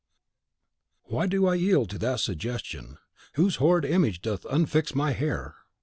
Why do I yield to that suggestion, Whose horrid image doth unfix my hair.